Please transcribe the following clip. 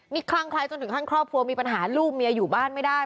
นี่คลั่งใครจนถึงขั้นครอบครัวมีปัญหาลูกเมียอยู่บ้านไม่ได้